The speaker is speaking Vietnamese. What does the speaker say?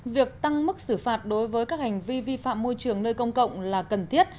việc tăng mức xử phạt đối với các hành vi vi phạm môi trường nơi công cộng là cần thiết